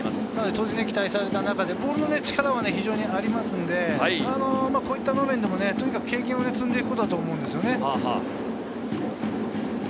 当然、期待された中での、力は当然ありますので、こういった場面でもとにかく経験を積んでいくことだと思うんですね。